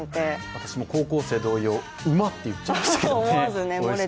私も高校生同様、うまっと言っちゃいましたけどね。